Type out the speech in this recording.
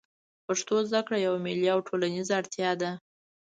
پښتو زده کړه یوه ملي او ټولنیزه اړتیا ده